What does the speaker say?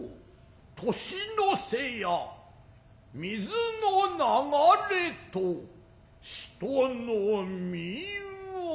「年の瀬や水の流れと人の身は」。